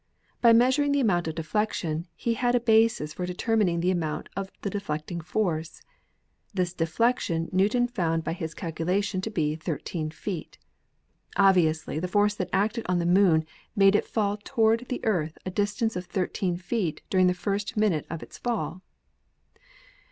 By measuring the amount of deflection, he had a basis for determining the amount of the deflecting force. This deflection New ton found by his calculation to be thirteen feet. Obviously the force that acted on the Moon made it fall toward the Earth a distance of thirteen feet during the first minute of its fall.